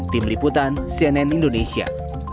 tim liputan cnn indonesia